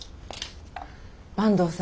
坂東さん